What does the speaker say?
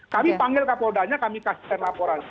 kami panggil kapoldanya kami kasihkan laporan